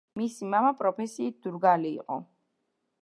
მისი მამა პროფესიით იყო დურგალი.